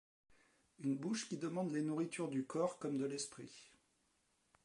Une bouche qui demande les nourritures du corps comme de l’esprit.